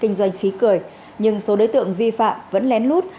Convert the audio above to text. kinh doanh khí cười nhưng số đối tượng vi phạm vẫn lén lút